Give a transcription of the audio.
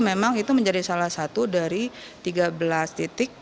memang itu menjadi salah satu dari tiga belas titik